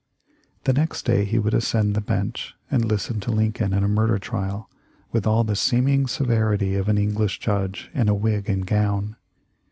The next day he would ascend the bench and listen to Lincoln in a murder trial, with all the seeming severity of an English judge in wig and gown.